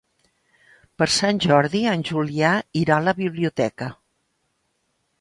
Per Sant Jordi en Julià irà a la biblioteca.